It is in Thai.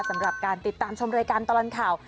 สำหรับการติดตามชมรายการตลอดข่าว